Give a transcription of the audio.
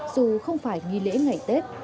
dù không phải nghi lễ ngày tết